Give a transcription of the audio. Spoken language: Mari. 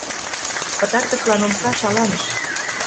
Пытартышлан омса шаланыш.